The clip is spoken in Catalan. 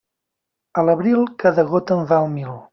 A l'abril, cada gota en val mil.